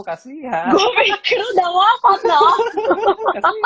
kasihan gue pikir udah wafat loh